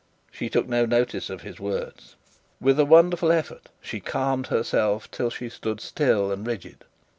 She took no notice of his words. With a wonderful effort, she calmed herself till she stood still and rigid.